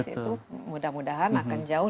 itu mudah mudahan akan jauh